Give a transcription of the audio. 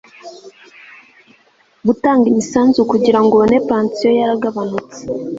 gutanga imisanzu kugirango ubone pansiyo yaragabanutse